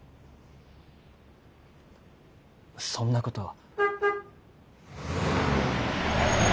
そんなことは。